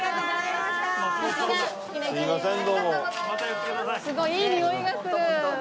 すごいいいにおいがする。